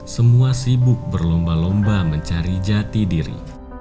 semua sibuk berlomba lomba mencari jati diri